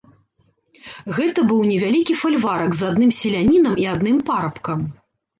Гэта быў невялікі фальварак з адным селянінам і адным парабкам.